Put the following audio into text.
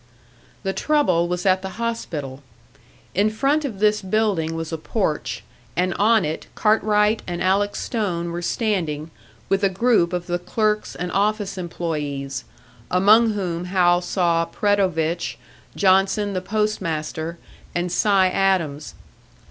The trouble was at the hospital. In front of this building was a porch, and on it Cartwright and Alec Stone were standing, with a group of the clerks and office employés, among whom Hal saw Predovich, Johnson, the postmaster, and Si Adams.